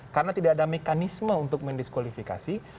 karena tidak ada mekanisme untuk mendiskualifikasi